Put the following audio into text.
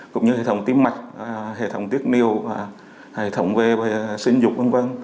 cũng như hệ thống tim mạch hệ thống tiết niêu và hệ thống về sinh dục v v